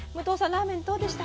ラーメンどうでした？